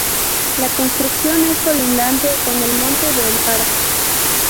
La construcción es colindante con el monte de El Pardo.